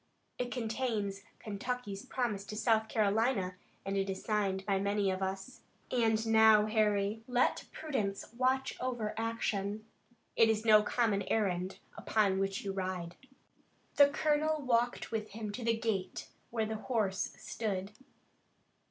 It contains Kentucky's promise to South Carolina, and it is signed by many of us. And now, Harry, let prudence watch over action. It is no common errand upon which you ride." The colonel walked with him to the gate where the horse stood.